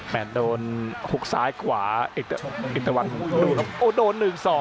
แมทโดนหุกซ้ายกว่าเอ็กตะวันโอ้โดน๑๒